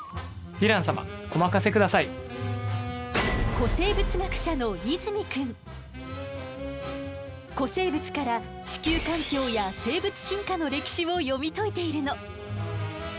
古生物学者の古生物から地球環境や生物進化の歴史を読み解いているの。